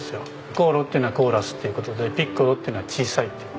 コーロっていうのはコーラスっていう事でピッコロっていうのは小さいっていう。